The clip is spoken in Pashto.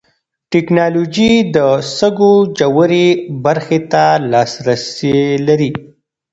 ټېکنالوژي د سږو ژورې برخې ته لاسرسی لري.